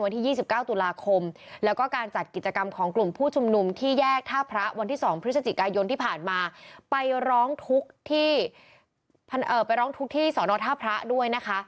วันที่๒๙ตุลาคมแล้วก็การจัดกิจกรรมของกลุ่มผู้ชุมนุมที่แยกท่าพระวันที่๒พฤศจิกายนที่ผ่านมาไปร้องทุกข์ที่ไปร้องทุกข์ที่สอนอท่าพระด้วยนะคะ